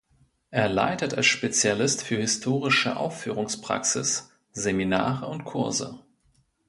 Er leitet als Spezialist für historische Aufführungspraxis Seminare und Kurse.